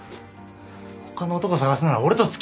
他の男探すなら俺と付き合えよ！